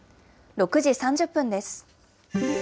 ６時３０分です。